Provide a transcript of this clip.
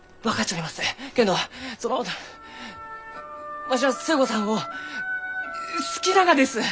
けんどそのわしは寿恵子さんを好きながです！